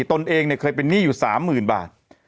ตนเองเนี่ยเคยเป็นหนี้อยู่๓๐๐๐บาท